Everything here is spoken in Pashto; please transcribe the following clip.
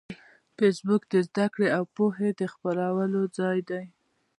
فېسبوک د زده کړې او پوهې د خپرولو ځای دی